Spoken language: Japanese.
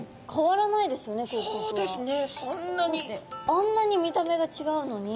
あんなに見た目が違うのに。